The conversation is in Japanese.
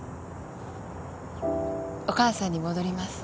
お母さんに戻ります。